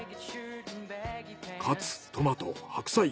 カツトマト白菜